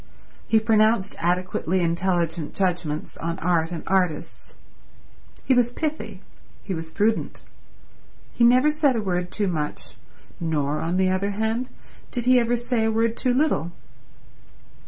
He pronounced adequately intelligent judgments on art and artists. He was pithy; he was prudent; he never said a word too much, nor, on the other had, did he ever say a word too little.